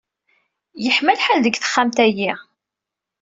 Yeḥma lḥal deg texxamt-ayi.